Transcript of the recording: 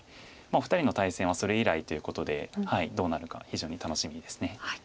お二人の対戦はそれ以来ということでどうなるか非常に楽しみです。